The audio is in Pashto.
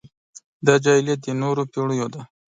دا جاهلیت د نورو پېړيو دی.